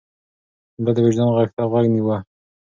ده د وجدان غږ ته غوږ نيوه.